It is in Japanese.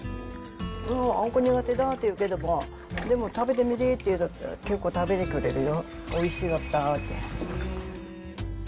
あんこ苦手だって言うけども、でも食べてみてっていうと、結構食べてくれるよ。